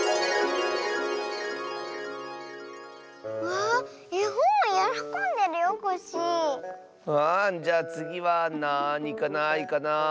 わあじゃあつぎはなにかないかなあ。